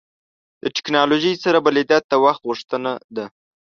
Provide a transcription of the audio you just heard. ټکنالوژۍ سره بلدیت د وخت غوښتنه ده.